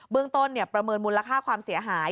เรื่องต้นประเมินมูลค่าความเสียหาย